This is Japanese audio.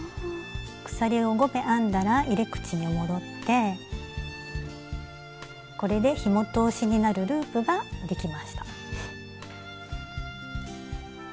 鎖を５目編んだら入れ口に戻ってこれでひも通しになるループができました。